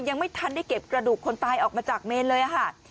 ยังไม่ทันได้เก็บกระดูกคนตายออกมาจากเมนเลยค่ะ